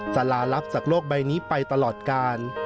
ลาลับจากโลกใบนี้ไปตลอดกาล